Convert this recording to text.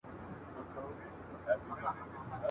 او ارواښاد سلیمان لایق یې ..